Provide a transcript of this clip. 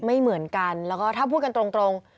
ไม่เหมือนกันแล้วก็ถ้าพูดกันตรง